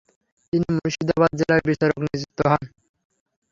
তিনি মুর্শিদাবাদ জেলার বিচারক নিযুক্ত হন।